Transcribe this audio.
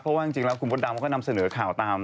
เพราะว่าจริงแล้วคุณมดดำเขาก็นำเสนอข่าวตาม